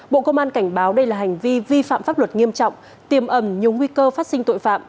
bộ công an cảnh báo đây là hành vi vi phạm pháp luật nghiêm trọng tiềm ẩn nhiều nguy cơ phát sinh tội phạm